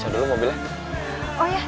aku juga punya